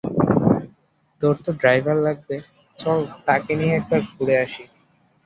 তোর তো ড্রাইভার লাগবে, চল তাকে নিয়ে একবার ঘুরে আসি।